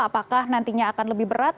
apakah nantinya akan lebih berat